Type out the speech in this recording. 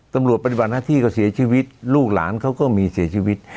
ปฏิบัติหน้าที่ก็เสียชีวิตลูกหลานเขาก็มีเสียชีวิต